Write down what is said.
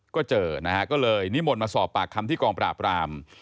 ก็เจอนะฮะก็เลยนิมนต์มาสอบปากคำที่กองปราบราม